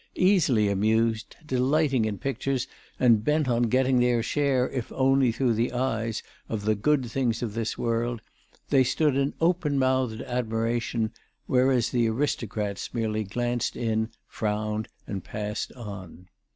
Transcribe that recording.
Easily amused, delighting in pictures and bent on getting their share, if only through the eyes, of the good things of this world, they stood in open mouthed admiration, whereas the aristocrats merely glanced in, frowned and passed on.